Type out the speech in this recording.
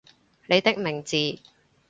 你的名字